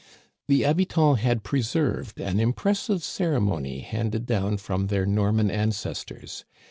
The habitants had preserved an impressive ceremony handed down from their Norman ancestors.